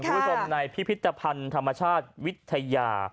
คุณผู้ชมในพิพิธภัณฑ์ธรรมชาติวิทยา